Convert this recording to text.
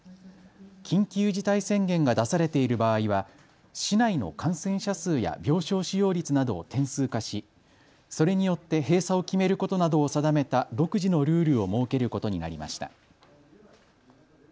緊急事態宣言が出されている場合は市内の感染者数や病床使用率などを点数化しそれによって閉鎖を決めることなどを定めた独自のルールを設けることになりました。